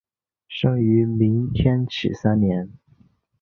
生于明天启三年。